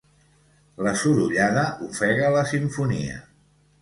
La sorollada ofega la simfonia.